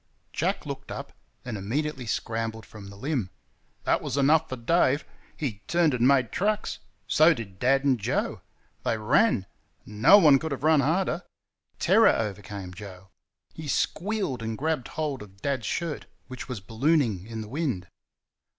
Jack looked up and immediately scrambled from the limb. That was enough for Dave. He turned and made tracks. So did Dad and Joe. They ran. No one could have run harder. Terror overcame Joe. He squealed and grabbed hold of Dad's shirt, which was ballooning in the wind.